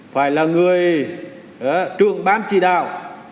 phải là người trường bán chỉ đạo